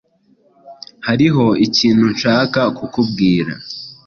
Hariho ikintu nshaka kukubwira.